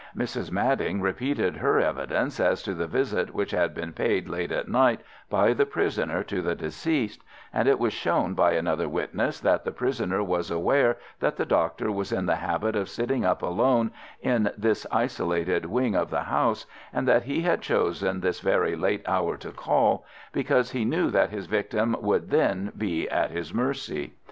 Mrs. Madding repeated her evidence as to the visit which had been paid late at night by the prisoner to the deceased, and it was shown by another witness that the prisoner was aware that the doctor was in the habit of sitting up alone in this isolated wing of the house, and that he had chosen this very late hour to call because he knew that his victim would then be at his mercy.